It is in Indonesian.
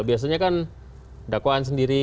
biasanya kan dakwaan sendiri